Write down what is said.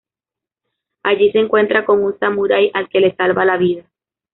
Allí se encuentra con un samurái al que le salva la vida.